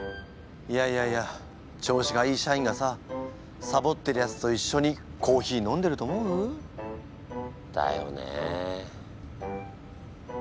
いやいやいや調子がいい社員がさサボってるやつと一緒にコーヒー飲んでると思う？だよね。